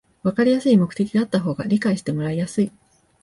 わかりやすい目的があった方が理解してもらいやすい